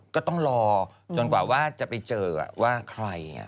ก็ต้องรอจนกว่าว่าจะไปเจอว่าใคร